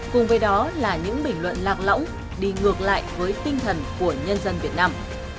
cùng với đó là những bình luận lạc lõng đi ngược lại với tinh thần của nhân dân việt nam